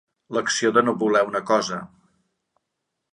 L'acció de no voler una cosa.